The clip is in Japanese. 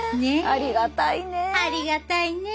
ありがたいね。